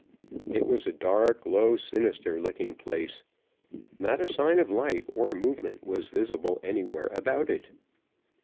It was a dark, low, sinister looking place. Not a sign of life or movement was visible anywhere about it.